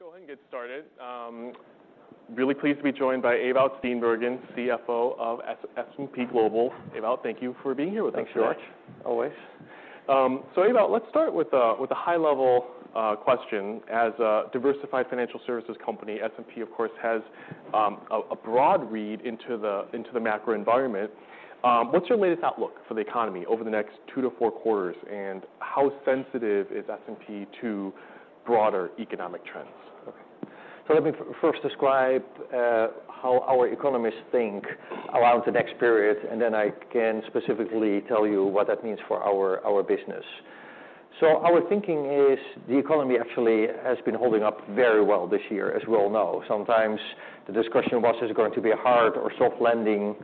Let's go ahead and get started. Really pleased to be joined by Ewout Steenbergen, CFO of S&P Global. Ewout, thank you for being here with us today. Thanks, George, always. So Ewout, let's start with a high level question. As a diversified financial services company, S&P, of course, has a broad read into the macro environment. What's your latest outlook for the economy over the next two to four quarters, and how sensitive is S&P to broader economic trends? Okay. So let me first describe, how our economists think around the next period, and then I can specifically tell you what that means for our, our business. So our thinking is, the economy actually has been holding up very well this year, as we all know. Sometimes the discussion was, is it going to be a hard or soft landing?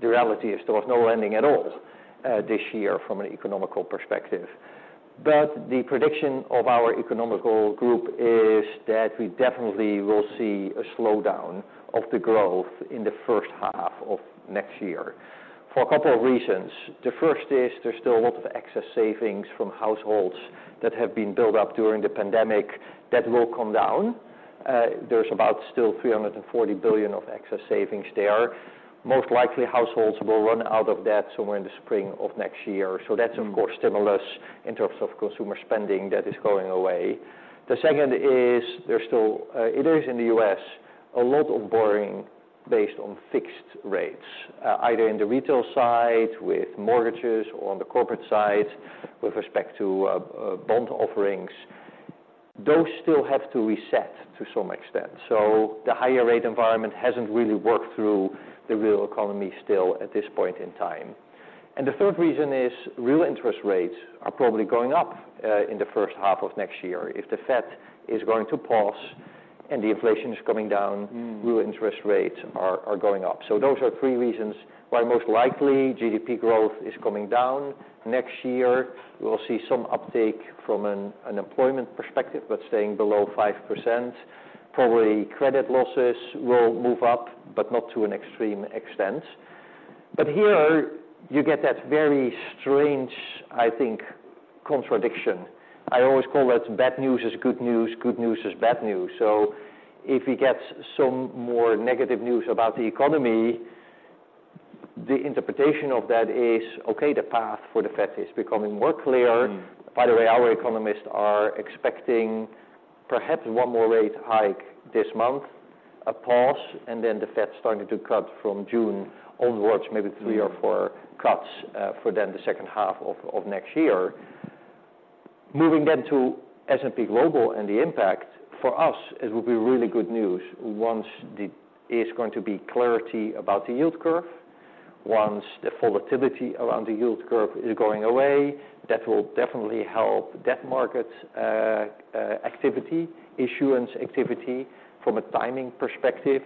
The reality is there was no landing at all, this year from an economic perspective. But the prediction of our economic group is that we definitely will see a slowdown of the growth in the first half of next year, for a couple of reasons. The first is there's still a lot of excess savings from households that have been built up during the pandemic. That will come down. There's about still $340 billion of excess savings there. Most likely, households will run out of that somewhere in the spring of next year. Mm. So that's, of course, stimulus in terms of consumer spending that is going away. The second is there's still-- it is in the U.S., a lot of borrowing based on fixed rates, either in the retail side with mortgages or on the corporate side with respect to bond offerings. Those still have to reset to some extent. So the higher rate environment hasn't really worked through the real economy still at this point in time. And the third reason is real interest rates are probably going up in the first half of next year. If the Fed is going to pause and the inflation is coming down- Mm... real interest rates are going up. So those are three reasons why most likely, GDP growth is coming down next year. We'll see some uptake from an employment perspective, but staying below 5%. Probably credit losses will move up, but not to an extreme extent. But here, you get that very strange, I think, contradiction. I always call that bad news is good news, good news is bad news. So if we get some more negative news about the economy, the interpretation of that is, okay, the path for the Fed is becoming more clear. Mm. By the way, our economists are expecting perhaps one more rate hike this month, a pause, and then the Fed starting to cut from June onwards, maybe- Mm... three or four cuts for then the second half of next year. Moving then to S&P Global and the impact, for us, it will be really good news once the- is going to be clarity about the yield curve. Once the volatility around the yield curve is going away, that will definitely help debt market activity, issuance activity from a timing perspective.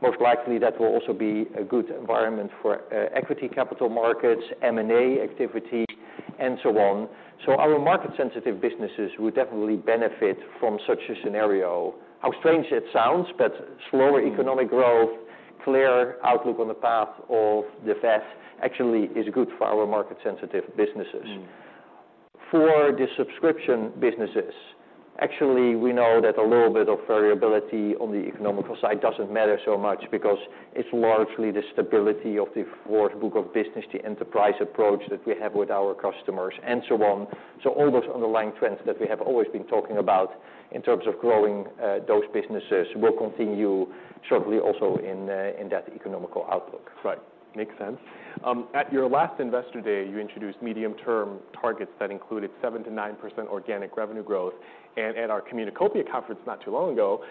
Most likely, that will also be a good environment for equity capital markets, M&A activity, and so on. So our market-sensitive businesses would definitely benefit from such a scenario. How strange it sounds, but slower- Mm... economic growth, clear outlook on the path of the Fed, actually is good for our market-sensitive businesses. Mm. For the subscription businesses, actually, we know that a little bit of variability on the economic side doesn't matter so much because it's largely the stability of the order book of business, the enterprise approach that we have with our customers, and so on. So all those underlying trends that we have always been talking about in terms of growing those businesses, will continue shortly also in in that economic outlook. Right. Makes sense. At your last Investor Day, you introduced medium-term targets that included 7%-9% organic revenue growth, and at our Communicopia Conference not too long ago,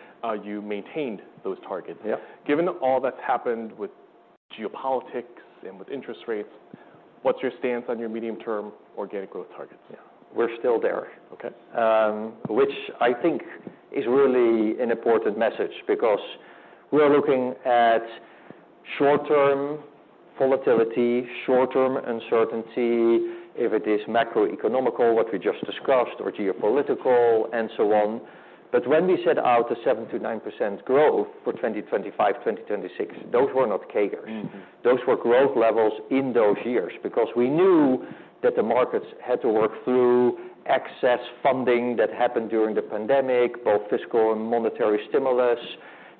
you maintained those targets. Yeah. Given all that's happened with geopolitics and with interest rates, what's your stance on your medium-term organic growth targets? Yeah. We're still there. Okay. which I think is really an important message because we are looking at short-term volatility, short-term uncertainty, if it is macroeconomic, what we just discussed, or geopolitical, and so on. But when we set out the 7%-9% growth for 2025, 2026, those were not CAGRs. Mm-hmm. Those were growth levels in those years, because we knew that the markets had to work through excess funding that happened during the pandemic, both fiscal and monetary stimulus,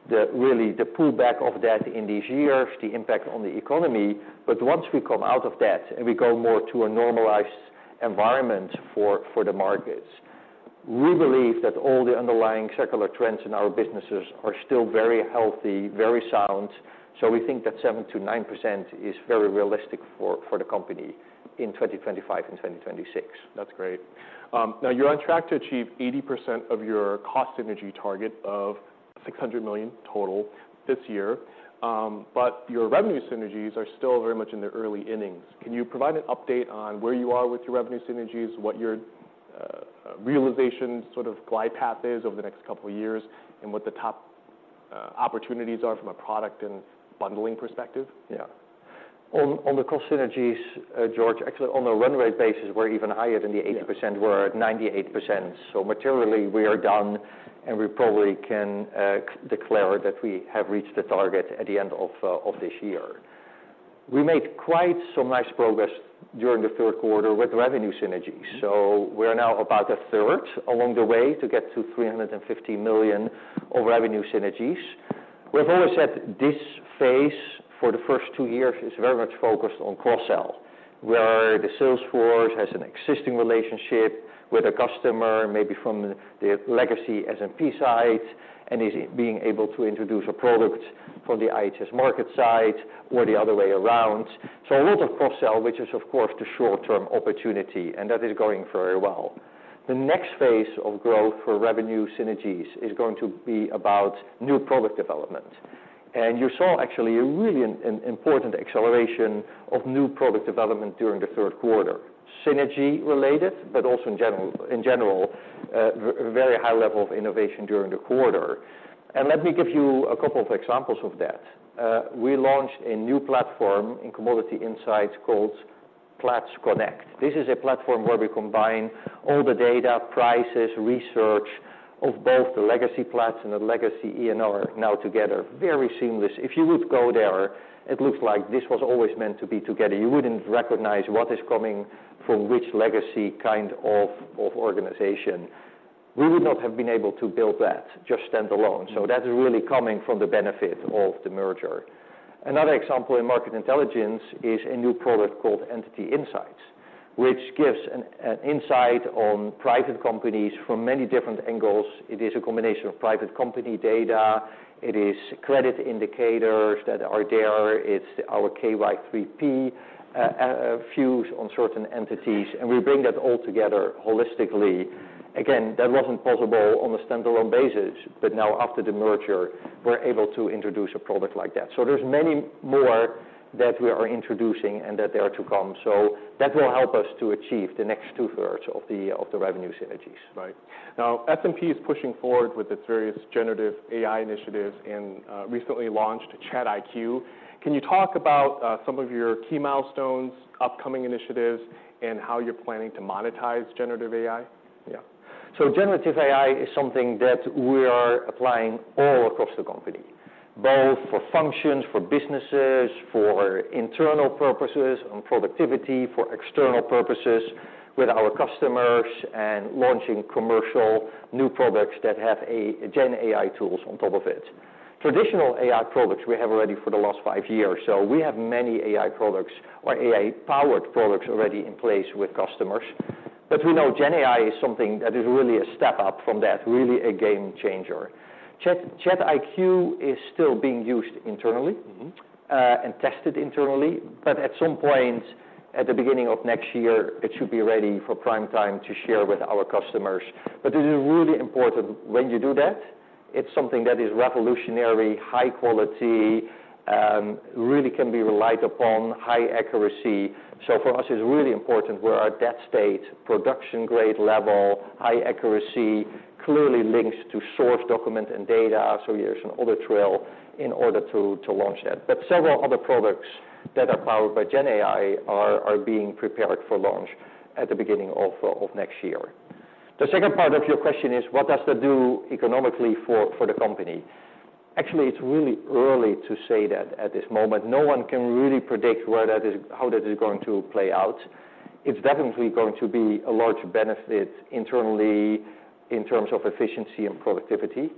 the... really, the pullback of debt in these years, the impact on the economy. But once we come out of that and we go more to a normalized environment for, for the markets, we believe that all the underlying secular trends in our businesses are still very healthy, very sound. So we think that 7%-9% is very realistic for, for the company in 2025 and 2026. That's great. Now, you're on track to achieve 80% of your cost synergy target of $600 million total this year, but your revenue synergies are still very much in the early innings. Can you provide an update on where you are with your revenue synergies, what your realization sort of glide path is over the next couple of years, and what the top opportunities are from a product and bundling perspective? Yeah. On the cost synergies, George, actually, on a run rate basis, we're even higher than the 80%- Yeah... we're at 98%. So materially, we are done, and we probably can declare that we have reached the target at the end of this year. We made quite some nice progress during the third quarter with revenue synergies. So we are now about a third along the way to get to $350 million of revenue synergies. We have always said this phase, for the first two years, is very much focused on cross-sell, where the sales force has an existing relationship with a customer, maybe from the legacy S&P side, and is being able to introduce a product from the IHS Markit side or the other way around. So a lot of cross-sell, which is, of course, the short-term opportunity, and that is going very well. The next phase of growth for revenue synergies is going to be about new product development. You saw actually a really important acceleration of new product development during the third quarter, synergy-related, but also in general, in general, very high level of innovation during the quarter. Let me give you a couple of examples of that. We launched a new platform in Commodity Insights called Platts Connect. This is a platform where we combine all the data, prices, research of both the legacy Platts and the legacy E&R now together. Very seamless. If you would go there, it looks like this was always meant to be together. You wouldn't recognize what is coming from which legacy kind of organization. We would not have been able to build that just standalone, so that is really coming from the benefit of the merger. Another example in market intelligence is a new product called Entity Insights, which gives an insight on private companies from many different angles. It is a combination of private company data. It is credit indicators that are there. It's our KY3P views on certain entities, and we bring that all together holistically. Again, that wasn't possible on a standalone basis, but now after the merger, we're able to introduce a product like that. So there's many more that we are introducing and that are to come. So that will help us to achieve the next two-thirds of the revenue synergies. Right. Now, S&P is pushing forward with its various generative AI initiatives and, recently launched ChatIQ. Can you talk about, some of your key milestones, upcoming initiatives, and how you're planning to monetize generative AI? Yeah. So generative AI is something that we are applying all across the company, both for functions, for businesses, for internal purposes, on productivity, for external purposes with our customers, and launching commercial new products that have a GenAI tools on top of it. Traditional AI products, we have already for the last five years, so we have many AI products or AI-powered products already in place with customers. But we know Gen AI is something that is really a step up from that, really a game changer. ChatIQ is still being used internally- Mm-hmm. and tested internally, but at some point, at the beginning of next year, it should be ready for prime time to share with our customers. But it is really important when you do that, it's something that is revolutionary, high quality, really can be relied upon, high accuracy. So for us, it's really important we're at that state, production grade level, high accuracy, clearly links to source document and data, so there's an audit trail in order to launch that. But several other products that are powered by GenAI are being prepared for launch at the beginning of next year. The second part of your question is, what does that do economically for the company? Actually, it's really early to say that at this moment. No one can really predict where that is, how that is going to play out. It's definitely going to be a large benefit internally in terms of efficiency and productivity,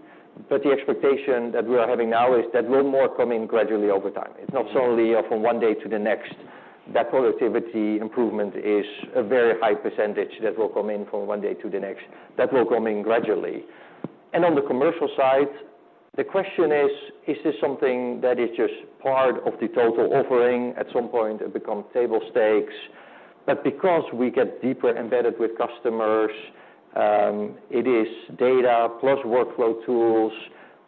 but the expectation that we are having now is that will more come in gradually over time. It's not suddenly or from one day to the next, that productivity improvement is a very high percentage that will come in from one day to the next. That will come in gradually. And on the commercial side, the question is: Is this something that is just part of the total offering, at some point, it become table stakes? But because we get deeper embedded with customers, it is data plus workflow tools,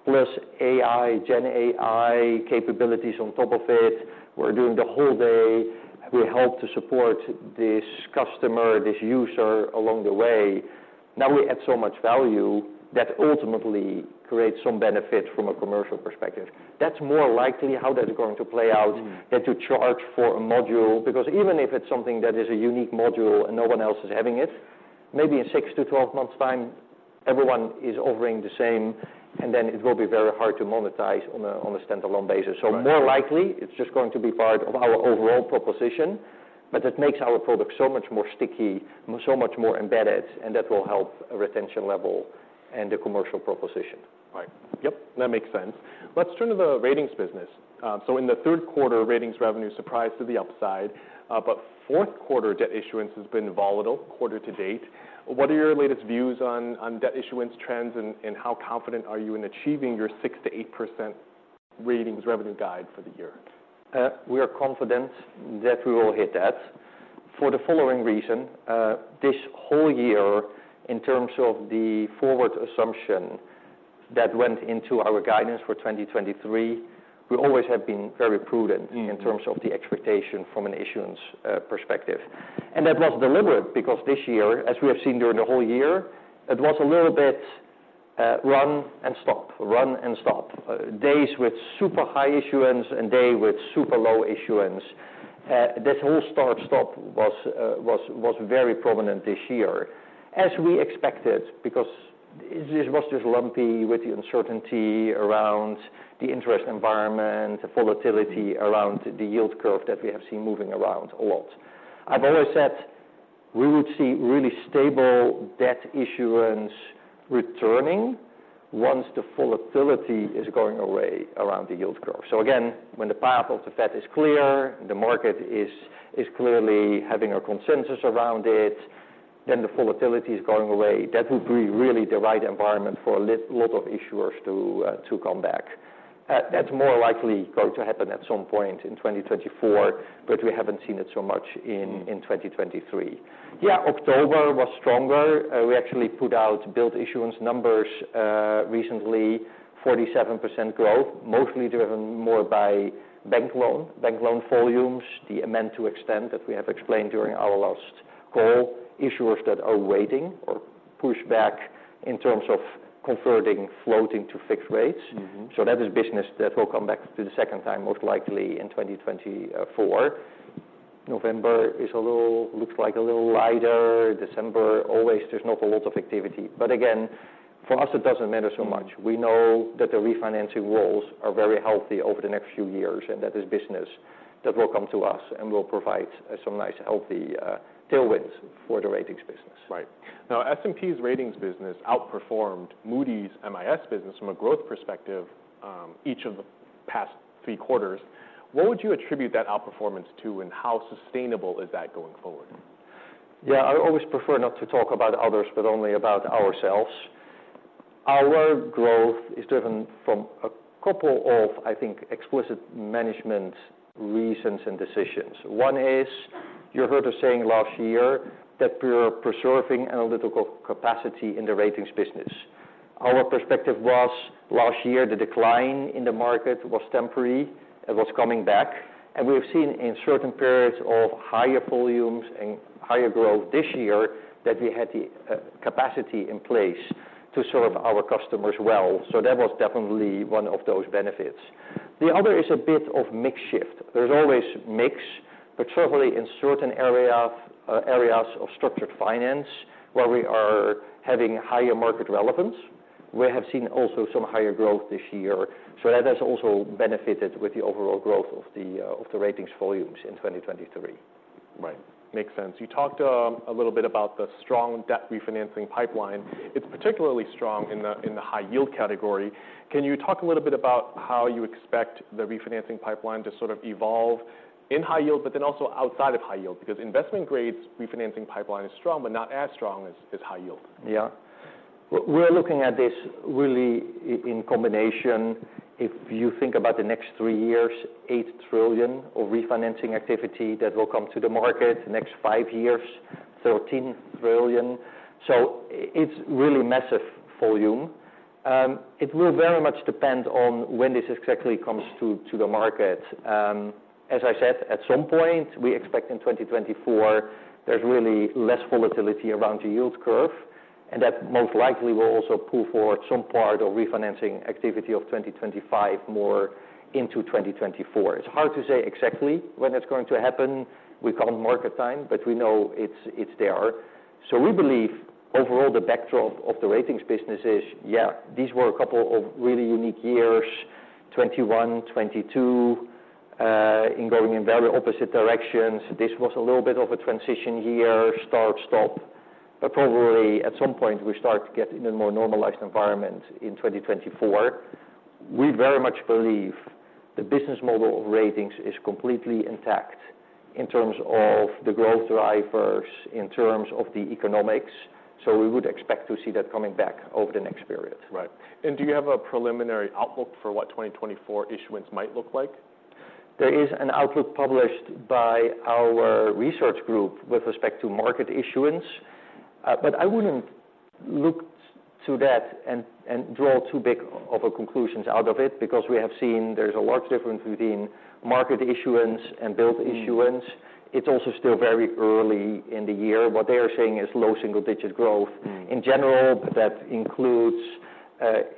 plus AI, GenAI capabilities on top of it. We're doing the whole day. We help to support this customer, this user, along the way. Now, we add so much value that ultimately creates some benefit from a commercial perspective. That's more likely how that is going to play out. Mm-hmm. than to charge for a module, because even if it's something that is a unique module and no one else is having it, maybe in six-12 months time, everyone is offering the same, and then it will be very hard to monetize on a, on a standalone basis. Right. More likely, it's just going to be part of our overall proposition, but it makes our product so much more sticky, so much more embedded, and that will help retention level and the commercial proposition. Right. Yep, that makes sense. Let's turn to the ratings business. So in the third quarter, ratings revenue surprised to the upside, but fourth quarter debt issuance has been volatile quarter to date. What are your latest views on debt issuance trends, and how confident are you in achieving your 6%-8% ratings revenue guide for the year? We are confident that we will hit that for the following reason. This whole year, in terms of the forward assumption that went into our guidance for 2023, we always have been very prudent. Mm-hmm. In terms of the expectation from an issuance perspective. That was deliberate, because this year, as we have seen during the whole year, it was a little bit run and stop, run and stop. Days with super high issuance and day with super low issuance. This whole start-stop was very prominent this year, as we expected, because it just was just lumpy with the uncertainty around the interest environment, the volatility around the yield curve that we have seen moving around a lot. I've always said we would see really stable debt issuance returning once the volatility is going away around the yield curve. So again, when the path of the Fed is clear, the market is clearly having a consensus around it, then the volatility is going away. That would be really the right environment for a lot of issuers to come back. That's more likely going to happen at some point in 2024, but we haven't seen it so much in 2023. Yeah, October was stronger. We actually put out bond issuance numbers recently, 47% growth, mostly driven more by bank loan volumes, the amend to extend that we have explained during our last call. Issuers that are waiting or push back in terms of converting floating to fixed rates. Mm-hmm. So that is business that will come back the second time, most likely in 2024. November looks like a little lighter. December, always, there's not a lot of activity, but again, for us, it doesn't matter so much. We know that the refinancing walls are very healthy over the next few years, and that is business that will come to us, and will provide some nice, healthy tailwinds for the ratings business. Right. Now, S&P's ratings business outperformed Moody's MIS business from a growth perspective, each of the past three quarters. What would you attribute that outperformance to, and how sustainable is that going forward? Yeah, I always prefer not to talk about others, but only about ourselves. Our growth is driven from a couple of, I think, explicit management reasons and decisions. One is, you heard us saying last year that we are preserving analytical capacity in the ratings business. Our perspective was, last year, the decline in the market was temporary, it was coming back, and we've seen in certain periods of higher volumes and higher growth this year, that we had the capacity in place to serve our customers well. So that was definitely one of those benefits. The other is a bit of mix shift. There's always mix, but certainly in certain areas of structured finance, where we are having higher market relevance, we have seen also some higher growth this year. So that has also benefited with the overall growth of the ratings volumes in 2023. Right. Makes sense. You talked a little bit about the strong debt refinancing pipeline. It's particularly strong in the high yield category. Can you talk a little bit about how you expect the refinancing pipeline to sort of evolve in high yield, but then also outside of high yield? Because investment grade's refinancing pipeline is strong, but not as strong as high yield. Yeah. We're looking at this really in combination. If you think about the next three years, $8 trillion of refinancing activity that will come to the market. The next five years, $13 trillion. So it's really massive volume. It will very much depend on when this exactly comes to the market. As I said, at some point, we expect in 2024, there's really less volatility around the yield curve, and that most likely will also pull forward some part of refinancing activity of 2025, more into 2024. It's hard to say exactly when it's going to happen. We call them market time, but we know it's there. So we believe overall, the backdrop of the ratings business is, yeah, these were a couple of really unique years, 2021, 2022, and going in very opposite directions. This was a little bit of a transition year, start, stop, but probably at some point, we start to get in a more normalized environment in 2024. We very much believe the business model of ratings is completely intact in terms of the growth drivers, in terms of the economics, so we would expect to see that coming back over the next period. Right. And do you have a preliminary outlook for what 2024 issuance might look like? There is an outlook published by our research group with respect to market issuance, but I wouldn't look to that and draw too big of a conclusions out of it, because we have seen there's a large difference between market issuance and build issuance. Mm. It's also still very early in the year. What they are saying is low single-digit growth- Mm... in general, but that includes,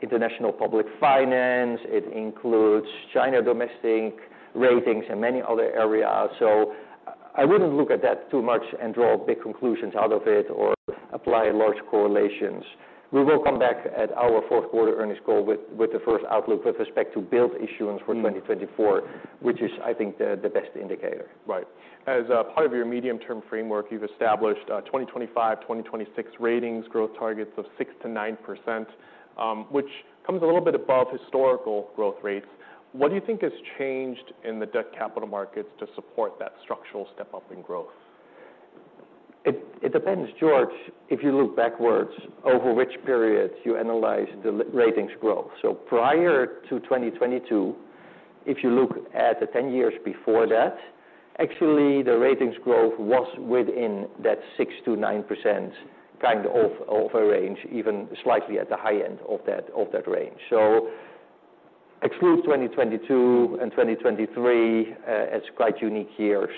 international public finance, it includes China domestic ratings, and many other areas. So I wouldn't look at that too much and draw big conclusions out of it, or apply large correlations. We will come back at our fourth quarter earnings call with the first outlook with respect to bond issuance for 2024. Mm... which is, I think, the best indicator. Right. As part of your medium-term framework, you've established 2025, 2026 ratings growth targets of 6%-9%, which comes a little bit above historical growth rates. What do you think has changed in the debt capital markets to support that structural step-up in growth? It depends, George, if you look backwards over which periods you analyze the ratings growth. So prior to 2022, if you look at the 10 years before that, actually, the ratings growth was within that 6%-9% kind of range, even slightly at the high end of that, of that range. So exclude 2022 and 2023 as quite unique years.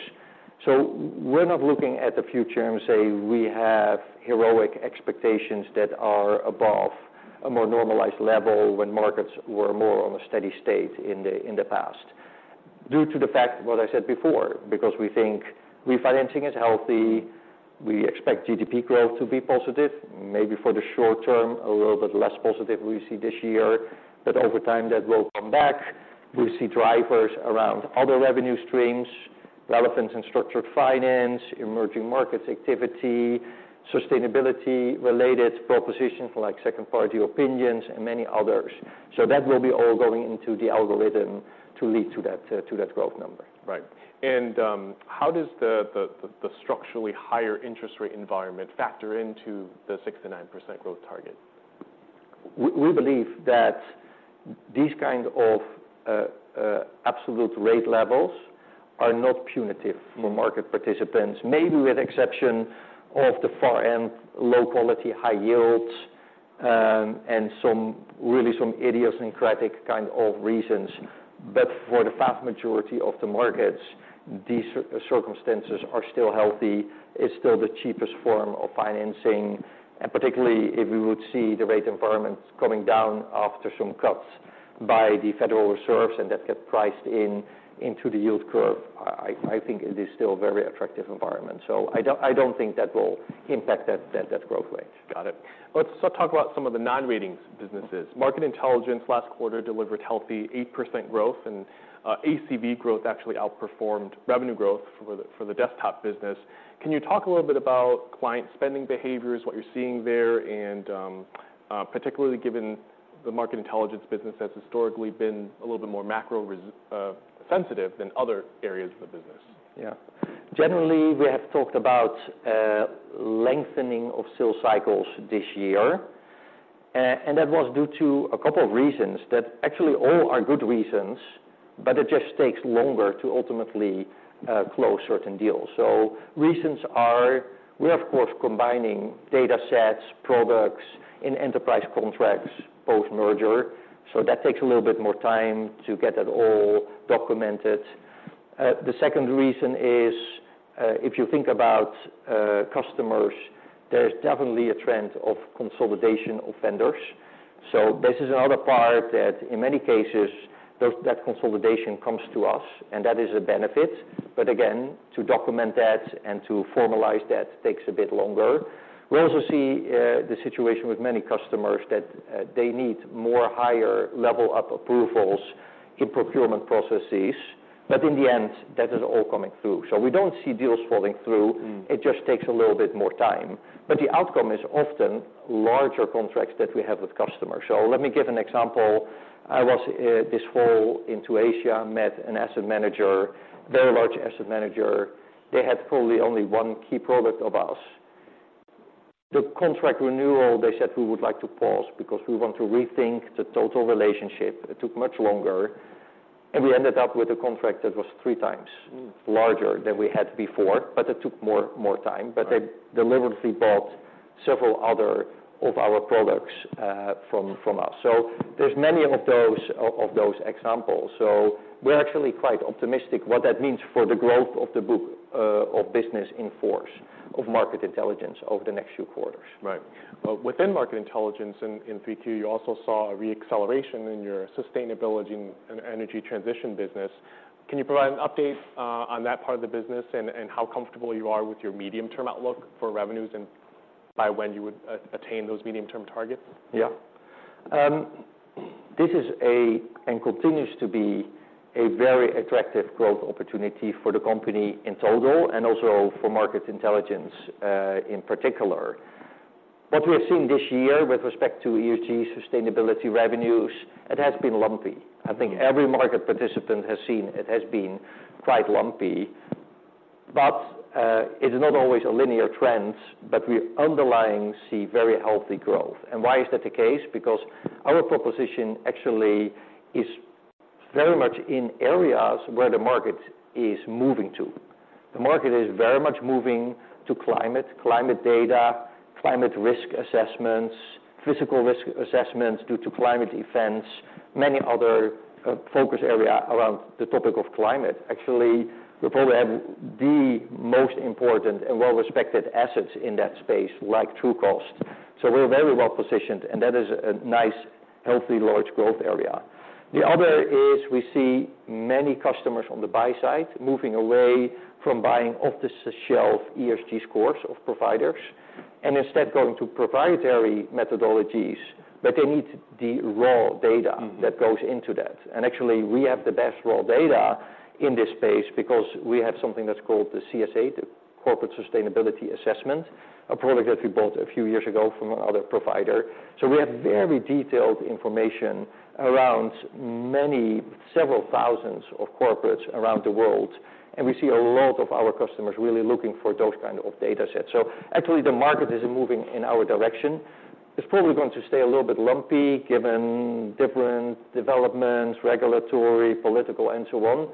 So we're not looking at the future and say we have heroic expectations that are above a more normalized level when markets were more on a steady state in the past. Due to the fact, what I said before, because we think refinancing is healthy, we expect GDP growth to be positive, maybe for the short term, a little bit less positive we see this year, but over time, that will come back. We see drivers around other revenue streams, refinancing and structured finance, emerging markets activity, sustainability-related propositions, like second-party opinions and many others. So that will be all going into the algorithm to lead to that, to that growth number. Right. And, how does the structurally higher interest rate environment factor into the 6%-9% growth target? We believe that these kind of absolute rate levels are not punitive for market participants, maybe with exception of the far-end, low-quality, high yields, and some idiosyncratic kind of reasons. But for the vast majority of the markets, these circumstances are still healthy. It's still the cheapest form of financing, and particularly, if we would see the rate environment coming down after some cuts by the Federal Reserve, and that get priced in into the yield curve, I think it is still a very attractive environment. So I don't think that will impact that growth rate. Got it. Let's talk about some of the non-ratings businesses. Market Intelligence last quarter delivered healthy 8% growth, and ACV growth actually outperformed revenue growth for the desktop business. Can you talk a little bit about client spending behaviors, what you're seeing there, and particularly given the Market Intelligence business has historically been a little bit more macro sensitive than other areas of the business? Yeah. Generally, we have talked about lengthening of sales cycles this year, and that was due to a couple of reasons that actually all are good reasons, but it just takes longer to ultimately close certain deals. So reasons are, we're of course combining datasets, products in enterprise contracts, post-merger, so that takes a little bit more time to get that all documented. The second reason is, if you think about customers, there's definitely a trend of consolidation of vendors. So this is another part that, in many cases, that consolidation comes to us, and that is a benefit. But again, to document that and to formalize that takes a bit longer. We also see the situation with many customers that they need more higher level of approvals in procurement processes, but in the end, that is all coming through. We don't see deals falling through- Mm. It just takes a little bit more time. But the outcome is often larger contracts that we have with customers. So let me give an example. I was this fall into Asia, met an asset manager, very large asset manager. They had probably only one key product of us. The contract renewal, they said: "We would like to pause because we want to rethink the total relationship." It took much longer, and we ended up with a contract that was three times- Mm... larger than we had before, but it took more time. Right. But they deliberately bought several other of our products from us. So there's many of those examples. So we're actually quite optimistic what that means for the growth of the book of business in force of Market Intelligence over the next few quarters. Right. But within Market Intelligence, in Q3, you also saw a re-acceleration in your sustainability and energy transition business. Can you provide an update on that part of the business, and how comfortable you are with your medium-term outlook for revenues, and by when you would attain those medium-term targets? Yeah. This is a, and continues to be, a very attractive growth opportunity for the company in total, and also for Market Intelligence, in particular. What we have seen this year with respect to ESG sustainability revenues, it has been lumpy. Yeah. I think every market participant has seen it has been quite lumpy, but it's not always a linear trend, but we underlying see very healthy growth. And why is that the case? Because our proposition actually is very much in areas where the market is moving to. The market is very much moving to climate, climate data, climate risk assessments, physical risk assessments due to climate events, many other focus area around the topic of climate. Actually, we probably have the most important and well-respected assets in that space, like Trucost. So we're very well positioned, and that is a nice, healthy, large growth area. The other is we see many customers on the buy side moving away from buying off-the-shelf ESG scores of providers, and instead going to proprietary methodologies, but they need the raw data- Mm-hmm... that goes into that. Actually, we have the best raw data in this space because we have something that's called the CSA, the Corporate Sustainability Assessment, a product that we bought a few years ago from another provider. So we have very detailed information around several thousands of corporates around the world, and we see a lot of our customers really looking for those kind of datasets. So actually, the market is moving in our direction. It's probably going to stay a little bit lumpy, given different developments, regulatory, political, and so on.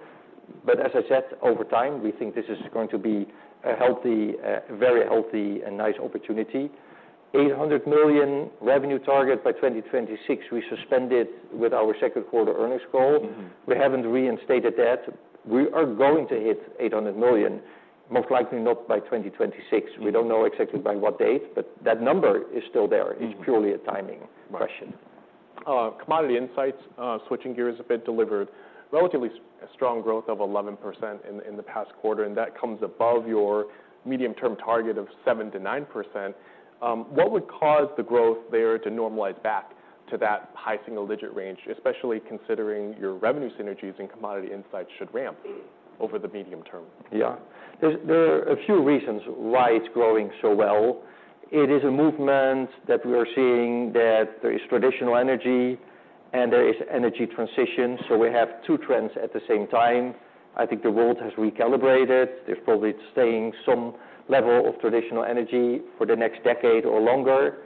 But as I said, over time, we think this is going to be a healthy, very healthy and nice opportunity. $800 million revenue target by 2026, we announced with our second quarter earnings call. Mm-hmm. We haven't reinstated that. We are going to hit $800 million, most likely not by 2026. We don't know exactly by what date, but that number is still there. Mm-hmm. It's purely a timing question. Commodity Insights, switching gears a bit, delivered relatively strong growth of 11% in the past quarter, and that comes above your medium-term target of 7%-9%. What would cause the growth there to normalize back to that high single-digit range, especially considering your revenue synergies and Commodity Insights should ramp over the medium term? Yeah. There are a few reasons why it's growing so well. It is a movement that we are seeing, that there is traditional energy and there is energy transition, so we have two trends at the same time. I think the world has recalibrated. They're probably staying some level of traditional energy for the next decade or longer.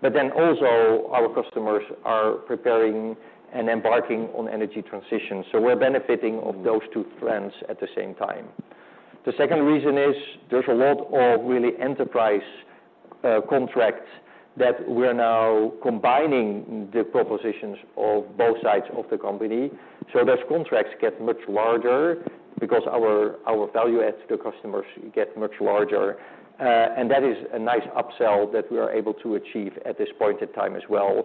But then also, our customers are preparing and embarking on energy transition, so we're benefiting of those two trends at the same time. The second reason is, there's a lot of really enterprise contracts that we're now combining the propositions of both sides of the company. So those contracts get much larger because our value add to the customers get much larger, and that is a nice upsell that we are able to achieve at this point in time as well.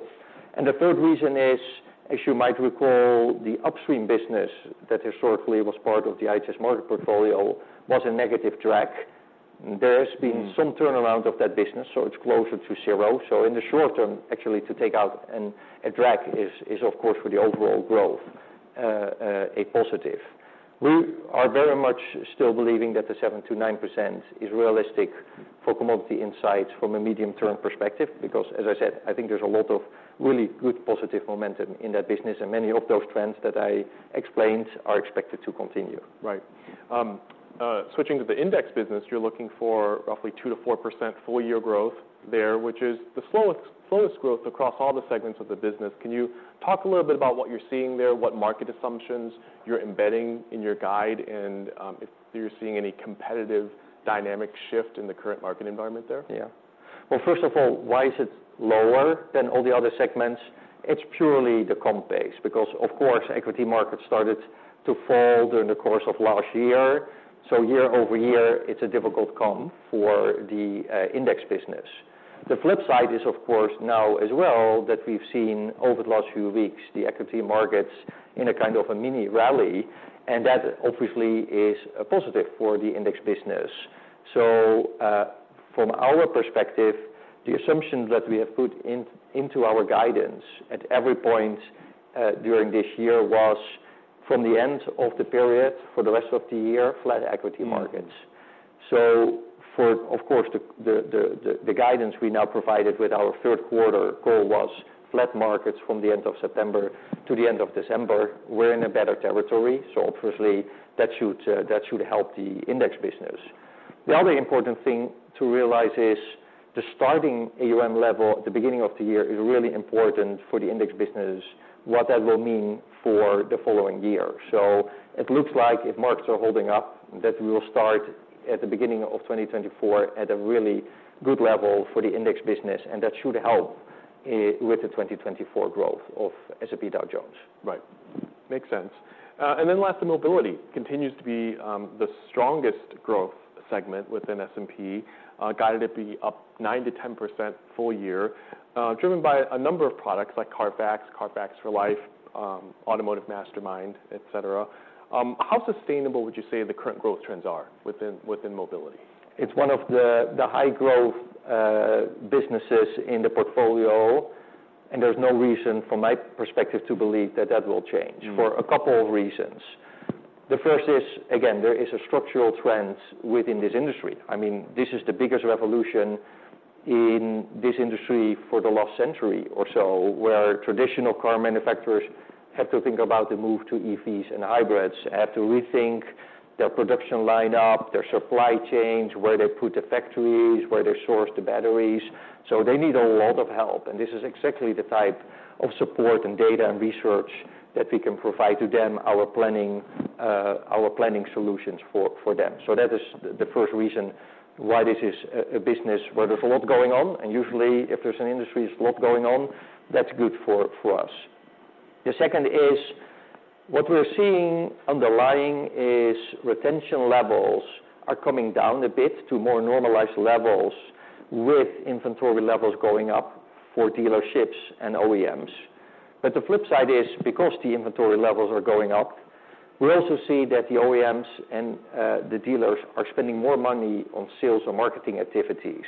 The third reason is, as you might recall, the upstream business that historically was part of the IHS Markit portfolio, was a negative drag. There has been- Mm... some turnaround of that business, so it's closer to zero. So in the short term, actually, to take out a drag is, of course, for the overall growth a positive. We are very much still believing that the 7%-9% is realistic for Commodity Insights from a medium-term perspective- Yeah... because, as I said, I think there's a lot of really good positive momentum in that business, and many of those trends that I explained are expected to continue. Right. Switching to the index business, you're looking for roughly 2%-4% full year growth there, which is the slowest growth across all the segments of the business. Can you talk a little bit about what you're seeing there, what market assumptions you're embedding in your guide, and if you're seeing any competitive dynamic shift in the current market environment there? Yeah. Well, first of all, why is it lower than all the other segments? It's purely the comp base, because, of course, equity markets started to fall during the course of last year. So year-over-year, it's a difficult comp for the index business. The flip side is, of course, now as well, that we've seen over the last few weeks, the equity markets in a kind of a mini rally, and that obviously is a positive for the index business. So, from our perspective, the assumption that we have put in, into our guidance at every point during this year was from the end of the period for the rest of the year, flat equity markets. Mm. So, of course, the guidance we now provided with our third quarter goal was flat markets from the end of September to the end of December. We're in a better territory, so obviously, that should help the index business. The other important thing to realize is, the starting AUM level at the beginning of the year is really important for the index business, what that will mean for the following year. So it looks like if markets are holding up, that we will start at the beginning of 2024 at a really good level for the index business, and that should help with the 2024 growth of S&P Dow Jones. Right. Makes sense. And then last, the Mobility continues to be the strongest growth segment within S&P, guided it be up 9%-10% full year, driven by a number of products like CARFAX, CARFAX for Life, Automotive Mastermind, et cetera. How sustainable would you say the current growth trends are within Mobility? It's one of the high growth businesses in the portfolio, and there's no reason, from my perspective, to believe that that will change- Mm... for a couple of reasons. The first is, again, there is a structural trend within this industry. I mean, this is the biggest revolution in this industry for the last century or so, where traditional car manufacturers have to think about the move to EVs and hybrids, have to rethink their production line up, their supply chains, where they put the factories, where they source the batteries. So they need a lot of help, and this is exactly the type of support and data and research that we can provide to them, our planning solutions for them. So that is the first reason why this is a business where there's a lot going on, and usually, if there's an industry, there's a lot going on, that's good for us. The second is, what we're seeing underlying is retention levels are coming down a bit to more normalized levels with inventory levels going up for dealerships and OEMs. But the flip side is, because the inventory levels are going up, we also see that the OEMs and the dealers are spending more money on sales or marketing activities.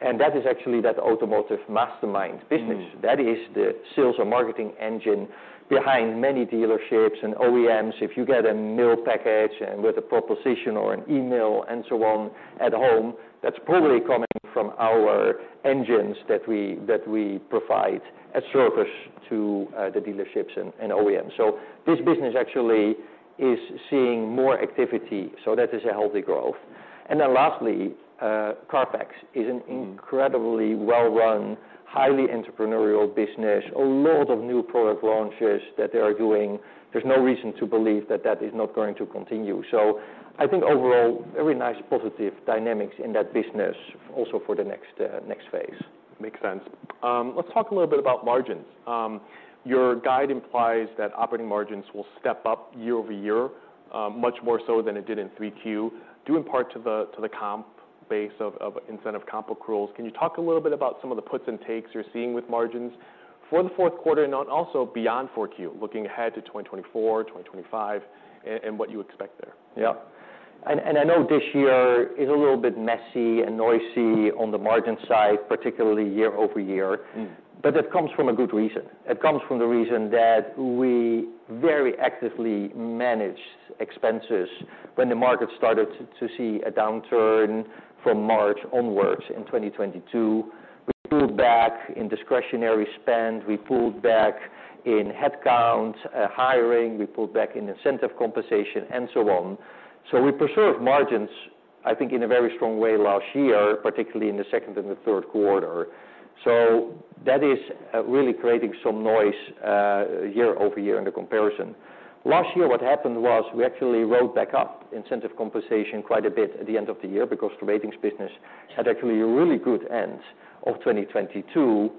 And that is actually that Automotive Mastermind business. Mm. That is the sales or marketing engine behind many dealerships and OEMs. If you get a mail package and with a proposition or an email and so on at home, that's probably coming from our engines that we, that we provide as service to, the dealerships and, and OEMs. So this business actually is seeing more activity, so that is a healthy growth. And then lastly, is an incredibly well-run, highly entrepreneurial business. A lot of new product launches that they are doing. There's no reason to believe that that is not going to continue. So I think overall, very nice, positive dynamics in that business also for the next, next phase. Makes sense. Let's talk a little bit about margins. Your guide implies that operating margins will step up year-over-year, much more so than it did in 3Q, due in part to the comp base of incentive comp accruals. Can you talk a little bit about some of the puts and takes you're seeing with margins for the fourth quarter, and also beyond 4Q, looking ahead to 2024, 2025, and what you expect there? Yeah. And I know this year is a little bit messy and noisy on the margin side, particularly year-over-year. Mm. But it comes from a good reason. It comes from the reason that we very actively managed expenses when the market started to see a downturn from March onwards in 2022. We pulled back in discretionary spend, we pulled back in headcount, hiring, we pulled back in incentive compensation, and so on. So we preserved margins, I think, in a very strong way last year, particularly in the second and the third quarter. So that is really creating some noise year over year in the comparison. Last year, what happened was we actually wrote back up incentive compensation quite a bit at the end of the year because the ratings business had actually a really good end of 2022.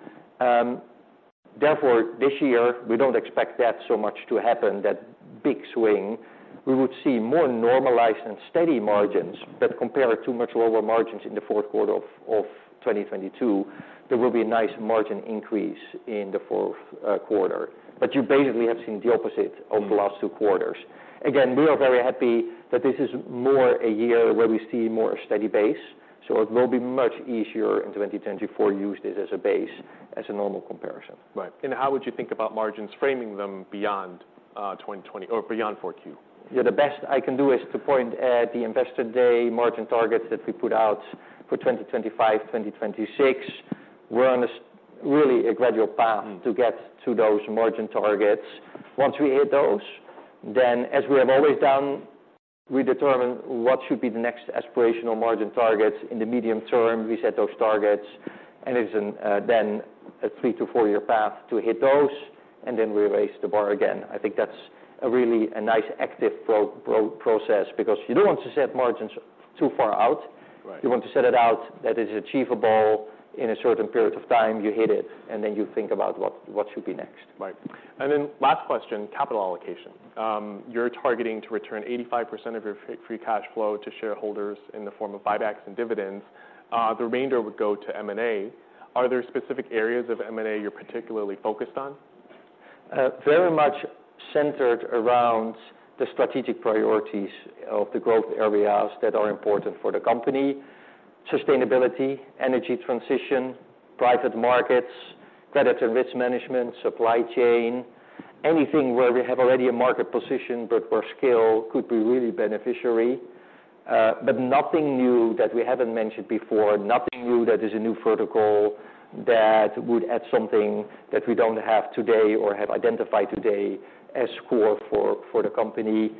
Therefore, this year, we don't expect that so much to happen, that big swing. We would see more normalized and steady margins, but compared to much lower margins in the fourth quarter of 2022, there will be a nice margin increase in the fourth quarter. But you basically have seen the opposite over the last 2 quarters. Again, we are very happy that this is more a year where we see more a steady base, so it will be much easier in 2024 to use this as a base, as a normal comparison. Right. And how would you think about margins, framing them beyond 2020... or beyond 4Q? Yeah, the best I can do is to point at the Investor Day margin targets that we put out for 2025, 2026. We're on a really a gradual path- Mm... to get to those margin targets. Once we hit those, then, as we have always done, we determine what should be the next aspirational margin targets in the medium term. We set those targets, and it's an then a three-four-year path to hit those, and then we raise the bar again. I think that's a really nice active process, because you don't want to set margins too far out. Right. You want to set it out that is achievable in a certain period of time, you hit it, and then you think about what, what should be next. Right. Then last question, capital allocation. You're targeting to return 85% of your free cash flow to shareholders in the form of buybacks and dividends. The remainder would go to M&A. Are there specific areas of M&A you're particularly focused on? Very much centered around the strategic priorities of the growth areas that are important for the company: sustainability, energy transition, private markets, credit and risk management, supply chain, anything where we have already a market position, but where scale could be really beneficial. But nothing new that we haven't mentioned before, nothing new that is a new vertical that would add something that we don't have today or have identified today as core for the company.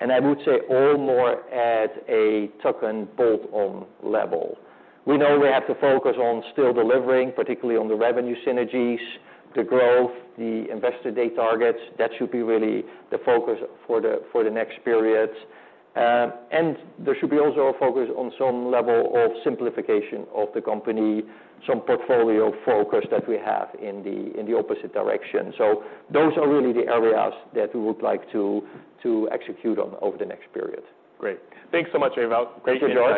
And I would say all more at a tuck and bolt-on level. We know we have to focus on still delivering, particularly on the revenue synergies, the growth, the Investor Day targets. That should be really the focus for the next periods. There should be also a focus on some level of simplification of the company, some portfolio focus that we have in the opposite direction. So those are really the areas that we would like to execute on over the next period. Great. Thanks so much, Ewout. Great to join you.